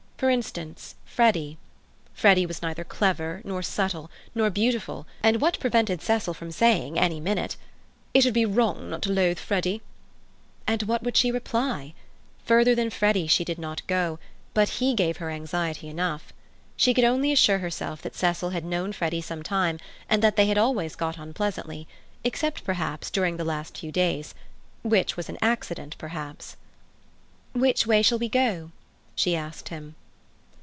For instance, Freddy. Freddy was neither clever, nor subtle, nor beautiful, and what prevented Cecil from saying, any minute, "It would be wrong not to loathe Freddy"? And what would she reply? Further than Freddy she did not go, but he gave her anxiety enough. She could only assure herself that Cecil had known Freddy some time, and that they had always got on pleasantly, except, perhaps, during the last few days, which was an accident, perhaps. "Which way shall we go?" she asked him.